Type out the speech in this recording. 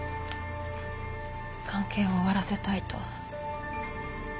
関係を終わらせたいと。